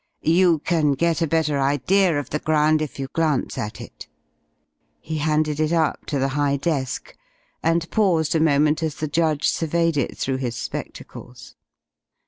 You can get a better idea of the ground if you glance at it." He handed it up to the high desk, and paused a moment as the judge surveyed it through his spectacles.